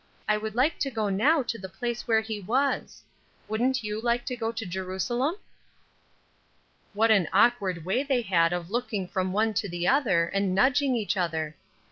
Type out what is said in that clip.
I would like to go now to the place where he was. Wouldn't you like to go to Jerusalem?" What an awkward way they had of looking from one to the other, and nudging each other.